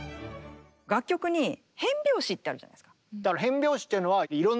楽曲に変拍子ってあるじゃないですか。